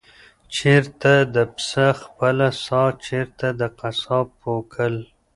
چېرته د پسه خپله ساه، چېرته د قصاب پوکل؟